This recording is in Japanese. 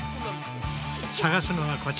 探すのはこちら。